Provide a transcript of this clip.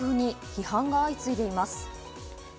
批判が相次いでいます。